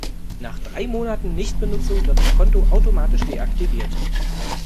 Nach drei Monaten Nichtbenutzung wird das Konto automatisch deaktiviert.